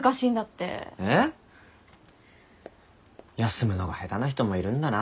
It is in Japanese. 休むのが下手な人もいるんだな。